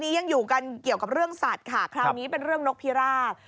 ยังอยู่กันเกี่ยวกับเรื่องสัตว์ค่ะคราวนี้เป็นเรื่องนกพิราบ